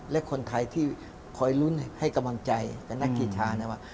และคนไทยที่คอยลุ้นให้กำลังใจกับนักกีฬานะว่า